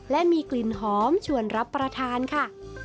และมีกลิ่นหอมชวนรับประทานค่ะ